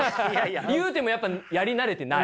言うてもやっぱやり慣れてない。